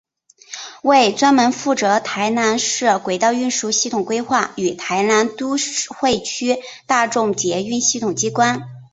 为专门负责台南市轨道运输系统规划与台南都会区大众捷运系统机关。